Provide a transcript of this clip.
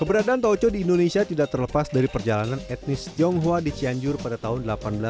keberadaan taoco di indonesia tidak terlepas dari perjalanan etnis tionghoa di cianjur pada tahun seribu delapan ratus sembilan puluh